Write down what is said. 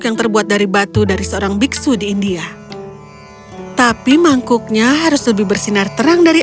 yang terbuat dari batu dari seorang biksu di india tapi mangkuknya harus lebih bersinar terang dari